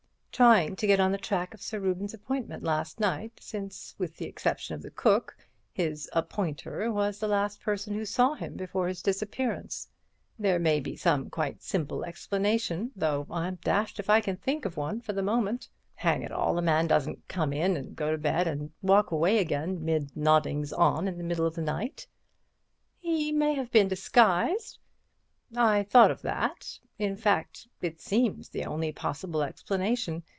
"Trying to get on the track of Sir Reuben's appointment last night, since, with the exception of the cook, his 'appointer' was the last person who saw him before his disappearance. There may be some quite simple explanation, though I'm dashed if I can think of one for the moment. Hang it all, a man doesn't come in and go to bed and walk away again 'mid nodings on' in the middle of the night." "He may have been disguised." "I thought of that—in fact, it seems the only possible explanation.